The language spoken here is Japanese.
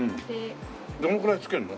どのくらいつけるの？